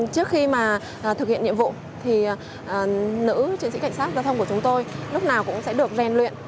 trước khi mà thực hiện nhiệm vụ thì nữ chiến sĩ cảnh sát giao thông của chúng tôi lúc nào cũng sẽ được rèn luyện